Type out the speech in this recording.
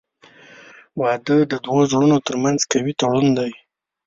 • واده د دوه زړونو ترمنځ قوي تړون دی.